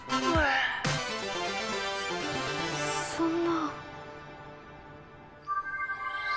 そんな。